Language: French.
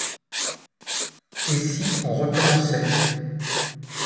Et si on recommençait...